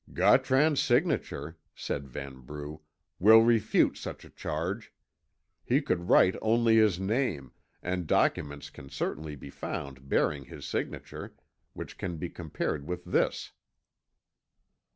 "Gautran's signature," said Vanbrugh, "will refute such a charge. He could write only his name, and documents can certainly be found bearing his signature, which can be compared with this."